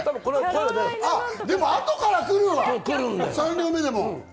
でも後からくるわ、３両目でも。